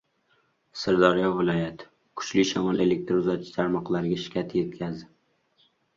Sirdaryo viloyati: kuchli shamol elektr uzatish tarmoqlariga shikast yetkazdi